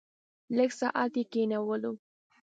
لږ ساعت یې کېنولو.